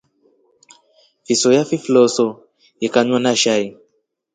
Fisoya fifloso ikanywa na shai.